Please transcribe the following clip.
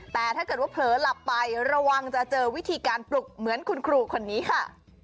แต่ถ้าเกิดว่าเผลอหลับไประวังจะเจอวิธีการปลุกเหมือนคุณครูคนนี้ค่ะ